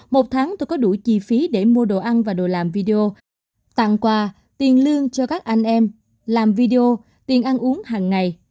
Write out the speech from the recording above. một tháng tôi có đủ chi phí để mua đồ ăn và đồ làm video tặng quà tiền lương cho các anh em làm video tiền ăn uống hằng ngày